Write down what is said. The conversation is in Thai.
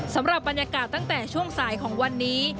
สำหรับบรรยากาศตั้งแต่ช่วงสายของวันนี้